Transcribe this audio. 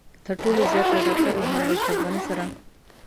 تر ټولو زيات له ډاکټر محمد اشرف غني سره.